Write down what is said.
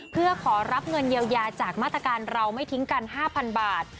เพื่อขอรับเงินเยียวยาจากมาตรการเราไม่ทิ้งกัน๕๐๐บาท